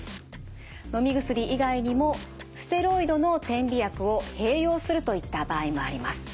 のみ薬以外にもステロイドの点鼻薬を併用するといった場合もあります。